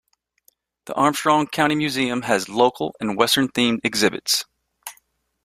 The Armstrong County Museum has local and western-themed exhibits.